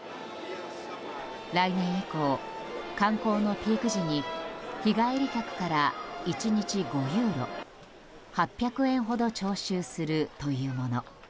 来年以降、観光のピーク時に日帰り客から１日５ユーロ８００円ほど徴収するというもの。